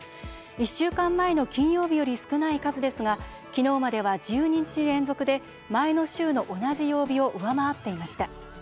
１週間前の金曜日より少ない数ですが昨日までは、１２日連続で前の週の同じ曜日を上回っていました。